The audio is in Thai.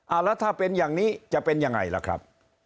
แล้วถ้าเป็นอย่างนี้จะเป็นยังไงล่ะครับ